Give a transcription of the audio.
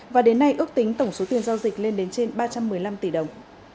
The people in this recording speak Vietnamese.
và đến nay ước tính tổng số tiền giao dịch lên đến trên ba trăm một mươi năm tỷ đồng